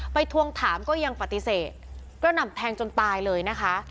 ไปทวงถามก็ยังปฏิเสธก็หลับแทงจนตายเลยนะค่ะ